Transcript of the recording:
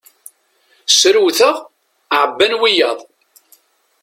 Srewteɣ, ɛebban wiyaḍ.